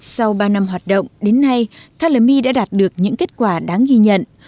sau ba năm hoạt động đến nay calami đã đạt được những kết quả đáng ghi nhận